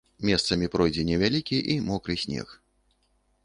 Месцамі пройдзе невялікі і мокры снег.